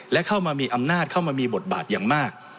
และเข้ามามีอำนาจเข้ามามีบทบาทอย่างมาก